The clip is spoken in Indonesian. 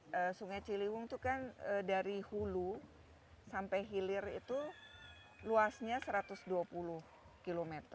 jadi sungai ciliwung itu kan dari hulu sampai hilir itu luasnya satu ratus dua puluh km